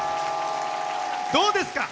どうですか？